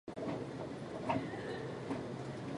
長野県根羽村